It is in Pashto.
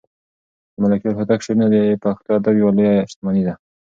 د ملکیار هوتک شعرونه د پښتو ادب یوه لویه شتمني ده.